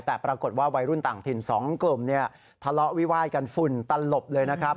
แต่ปรากฏว่าวัยรุ่นต่างถิ่น๒กลุ่มทะเลาะวิวาดกันฝุ่นตลบเลยนะครับ